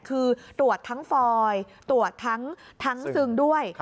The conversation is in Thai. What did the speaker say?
คือตรวจทั้งฟอยตรวจทั้งซึงด้วย